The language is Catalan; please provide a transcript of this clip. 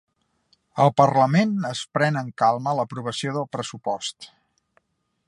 El parlament es pren amb calma l'aprovació del pressupost